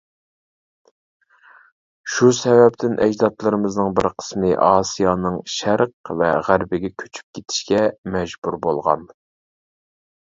شۇ سەۋەبتىن، ئەجدادلىرىمىزنىڭ بىر قىسمى ئاسىيانىڭ شەرق ۋە غەربىگە كۆچۈپ كېتىشكە مەجبۇر بولغان.